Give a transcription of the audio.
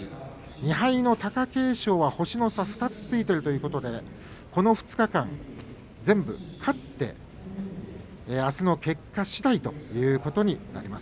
２敗の貴景勝は星の差が２つついているということでこの２日間全部勝ってあすの結果しだいということになります。